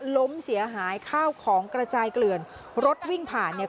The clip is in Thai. ล้มเสียหายข้าวของกระจายเกลื่อนรถวิ่งผ่านเนี่ย